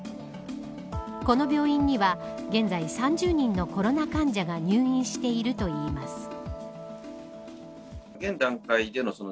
この病院には現在３０人のコロナ患者が入院しているといいます。